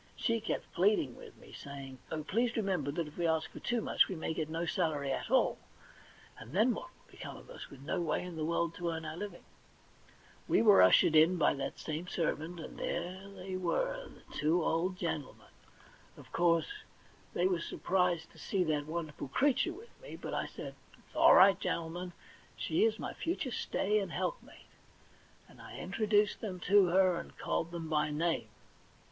She kept pleading with me, and saymg :* Oh, please remember that if we ask for too much we may get no salary at all ; and then what will become of us, with no way in the world to earn our living ?' We were ushered in by that same servant, and there they were, the two old gentlemen. Of course THE £1,000,000 BANK NOTE 35 they were surprised to see that wonderful creature with me, but I said : *It's all right, gentlemen; she is my future stay and helpmate.' And I introduced them to her, and called them by name.